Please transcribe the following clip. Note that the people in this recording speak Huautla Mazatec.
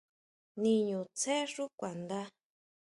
Niñutsjé xú kuandá.